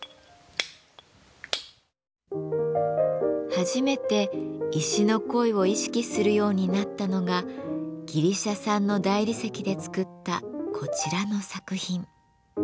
初めて「石の声」を意識するようになったのがギリシャ産の大理石で作ったこちらの作品。